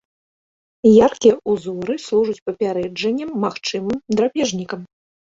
Яркія ўзоры служаць папярэджаннем магчымым драпежнікам.